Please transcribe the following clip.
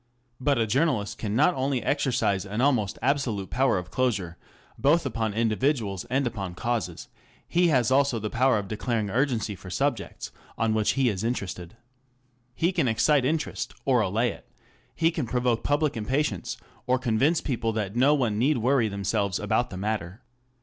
But a journalist can not only exercise an almost absolute power of closure both upon individuals and upon causes, he has also the power of declaring urgency for subjects on which he is interested. He can excite interest, or allay it ; he can provoke public impatience, or convince people that no one need worry themselves about the matter.